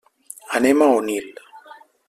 Anem a Onil.